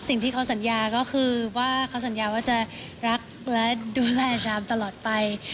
สิ่งที่เขาสัญญาก็คือว่าเขาสัญญาว่าจะรักและดูแลชามตลอดไป